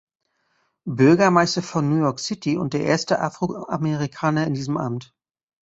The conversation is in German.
Bürgermeister von New York City und der erste Afroamerikaner in diesem Amt.